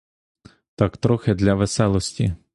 Так трохи для веселості.